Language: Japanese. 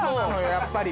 やっぱり。